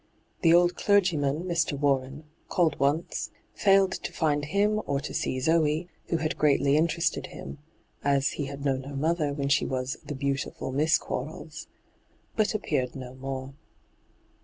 The old clergyman, Mr. Warren, called once, failed to find him or to see Zoe, who had greatly interested him — as he had known her mother when she was ' the beautiful Miss Quarles '— but appeared no more.